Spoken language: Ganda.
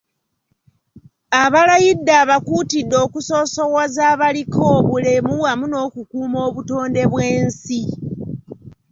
Abalayidde abakuutidde okusoosowaza abaliko obulemu wamu n’okukuuma obutonde bw’ensi.